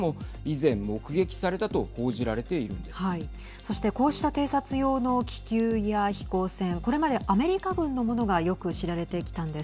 そして、こうした偵察用の気球や飛行船、これまでアメリカ軍のものがよく知られてきたんです。